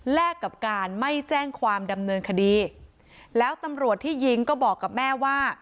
กับการไม่แจ้งความดำเนินคดีแล้วตำรวจที่ยิงก็บอกกับแม่ว่า